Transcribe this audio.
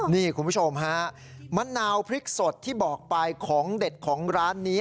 นี่คุณผู้ชมฮะมะนาวพริกสดที่บอกไปของเด็ดของร้านนี้